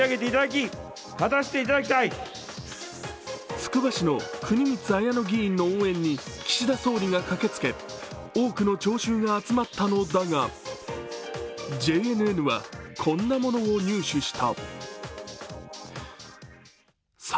つくば市の国光文乃議員の応援に岸田総理が駆けつけ、多くの聴衆が集まったのだがＪＮＮはこんなものを入手した。